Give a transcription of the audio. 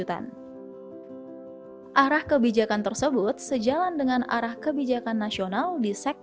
arah kebijakan tersebut sejalan dengan arah kebijakan masyarakat